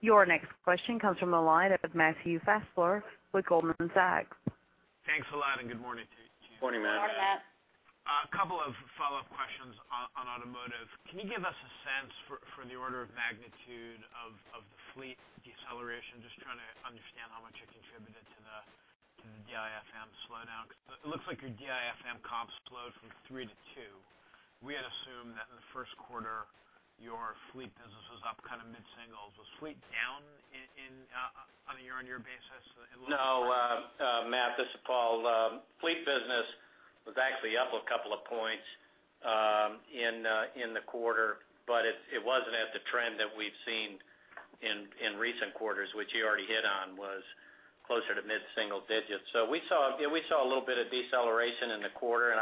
Your next question comes from the line of Matthew Fassler with Goldman Sachs. Thanks a lot good morning to you. Morning, Matt. Good morning, Matt. A couple of follow-up questions on automotive. Can you give us a sense for the order of magnitude of the fleet deceleration? Just trying to understand how much it contributed to the DIFM slowdown, because it looks like your DIFM comps slowed from 3% to 2%. We had assumed that in the first quarter, your fleet business was up mid-singles. Was fleet down on a year-on-year basis? No, Matt, this is Paul. Fleet business was actually up a couple of points in the quarter, but it wasn't at the trend that we've seen in recent quarters, which you already hit on, was closer to mid-single digits. We saw a little bit of deceleration in the quarter.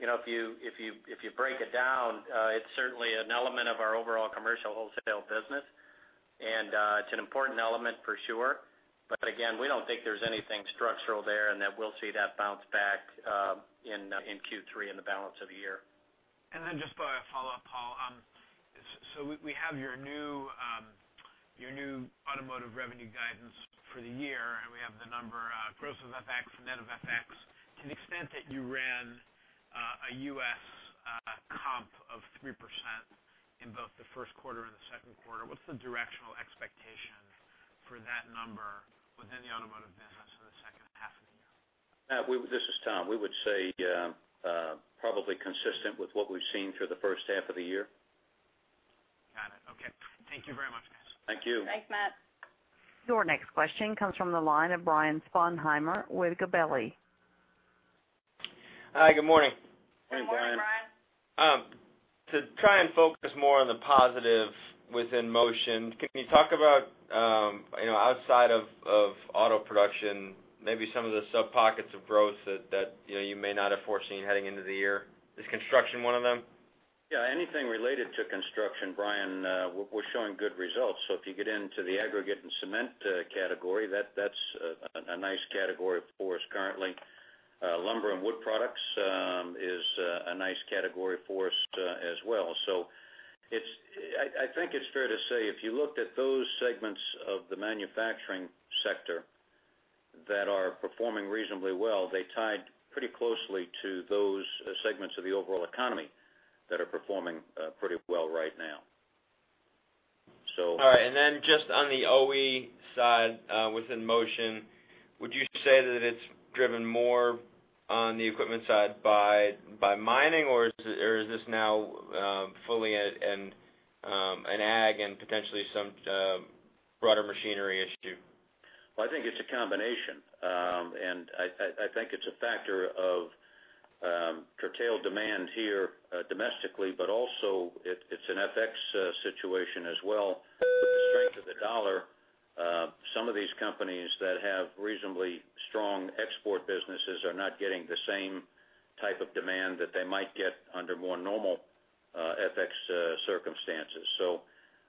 If you break it down, it's certainly an element of our overall commercial wholesale business, and it's an important element for sure. Again, we don't think there's anything structural there and that we'll see that bounce back in Q3 in the balance of the year. Just a follow-up, Paul. We have your new automotive revenue guidance for the year, and we have the number gross of FX and net of FX. To the extent that you ran a U.S. comp of 3% in both the first quarter and the second quarter, what's the directional expectation for that number within the automotive business for the second half of the year? Matt, this is Tom. We would say, probably consistent with what we've seen through the first half of the year. Got it. Okay. Thank you very much, guys. Thank you. Thanks, Matt. Your next question comes from the line of Brian Sponheimer with Gabelli. Hi, good morning. Hey, Brian. Good morning, Brian. To try and focus more on the positive within Motion, can you talk about, outside of auto production, maybe some of the sub-pockets of growth that you may not have foreseen heading into the year? Is construction one of them? Yeah, anything related to construction, Brian, we're showing good results. If you get into the aggregate and cement category, that's a nice category for us currently. Lumber and wood products is a nice category for us as well. I think it's fair to say, if you looked at those segments of the manufacturing sector that are performing reasonably well, they tied pretty closely to those segments of the overall economy that are performing pretty well right now. All right. Then just on the OE side within Motion, would you say that it's driven more on the equipment side by mining, or is this now fully in ag and potentially some broader machinery issue? Well, I think it's a combination. I think it's a factor of curtailed demand here domestically, but also it's an FX situation as well. With the strength of the dollar, some of these companies that have reasonably strong export businesses are not getting the same type of demand that they might get under more normal FX circumstances.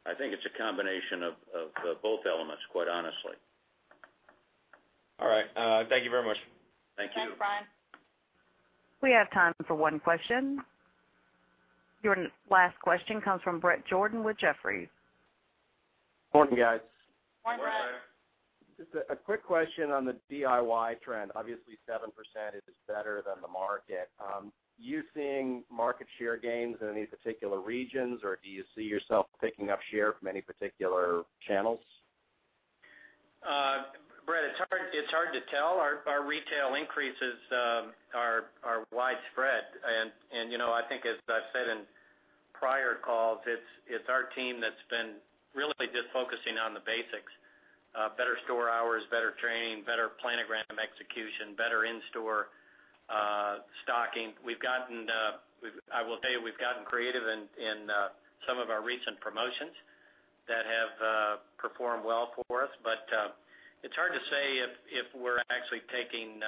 I think it's a combination of both elements, quite honestly. All right. Thank you very much. Thank you. Thanks, Brian. We have time for one question. Your last question comes from Bret Jordan with Jefferies. Morning, guys. Morning, Bret. Morning. Just a quick question on the DIY trend. Obviously, 7% is better than the market. Are you seeing market share gains in any particular regions, or do you see yourself picking up share from any particular channels? Bret, it's hard to tell. Our retail increases are widespread and I think as I've said in prior calls, it's our team that's been really just focusing on the basics: better store hours, better training, better planogram execution, better in-store stocking. I will tell you, we've gotten creative in some of our recent promotions that have performed well for us. It's hard to say if we're actually taking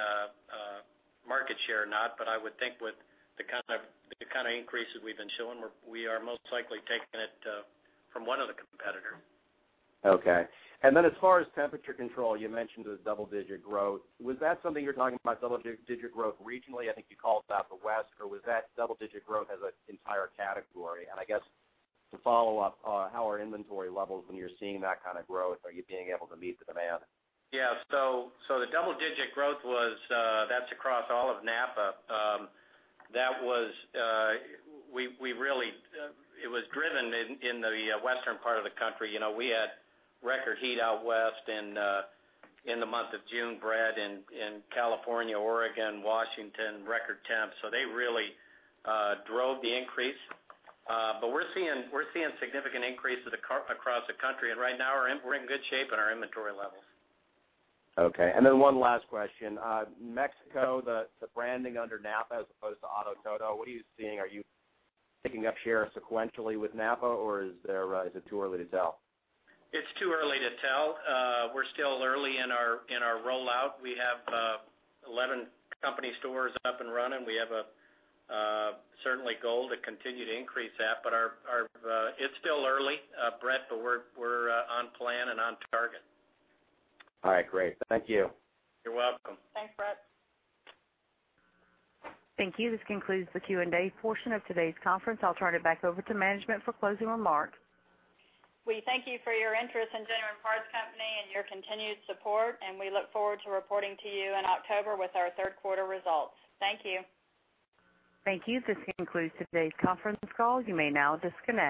market share or not, but I would think with the kind of increases we've been showing, we are most likely taking it from one of the competitors. Okay. As far as temperature control, you mentioned the double-digit growth. Was that something you were talking about double-digit growth regionally? I think you called out the West, or was that double-digit growth as an entire category? I guess to follow up, how are inventory levels when you're seeing that kind of growth? Are you being able to meet the demand? Yeah. The double-digit growth, that's across all of NAPA. It was driven in the western part of the country. We had record heat out West in the month of June, Bret, in California, Oregon, Washington, record temps. They really drove the increase. We're seeing significant increases across the country, and right now we're in good shape in our inventory levels. Okay. One last question. Mexico, the branding under NAPA as opposed to Auto Todo, what are you seeing? Are you picking up share sequentially with NAPA, or is it too early to tell? It's too early to tell. We're still early in our rollout. We have 11 company stores up and running. We have certainly goal to continue to increase that, but it's still early, Bret, but we're on plan and on target. All right, great. Thank you. You're welcome. Thanks, Bret. Thank you. This concludes the Q&A portion of today's conference. I'll turn it back over to management for closing remarks. We thank you for your interest in Genuine Parts Company and your continued support, and we look forward to reporting to you in October with our third quarter results. Thank you. Thank you. This concludes today's conference call. You may now disconnect.